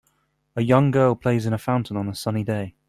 A young girl plays in a fountain on a sunny day.